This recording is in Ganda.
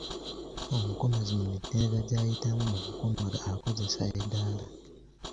Omukomazi mu mitendera gy’ayitamu mu kukomaga akozesa eddaala.